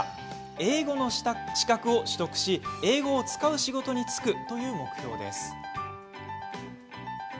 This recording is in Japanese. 英語の資格を取得し、英語を使う仕事に就くという目標です。